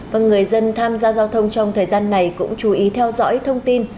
vâng người dân tham gia giao thông trong thời gian này cũng chú ý theo dõi thông tin